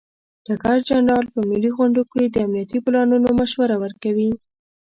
ډګر جنرال په ملي غونډو کې د امنیتي پلانونو مشوره ورکوي.